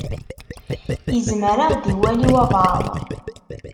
Izmer ad ɣ-d-iwali walebɛaḍ.